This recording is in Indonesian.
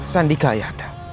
sandika ayah anda